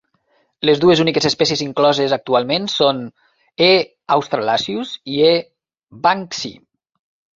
Les dues úniques espècies incloses actualment són "E. australasius" i "E. banksii".